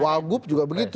wagup juga begitu